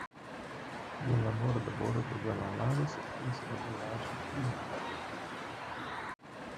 Je la norda bordo de la lago situas la vilaĝo Brienz.